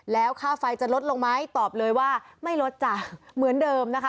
แล้วค่าไฟจะลดลงไหมตอบเลยว่าไม่ลดจ้ะเหมือนเดิมนะคะ